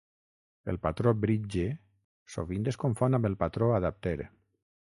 El patró Bridge sovint es confon amb el patró Adapter.